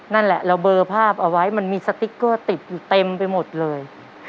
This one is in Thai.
นั่นแหละเราเบอร์ภาพเอาไว้มันมีสติ๊กเกอร์ติดอยู่เต็มไปหมดเลย